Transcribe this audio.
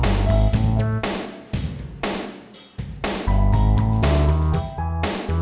sampai setelah musip official